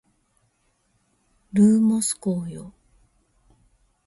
ルーモス光よ